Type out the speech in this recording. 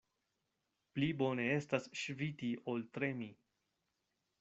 Pli bone estas ŝviti, ol tremi.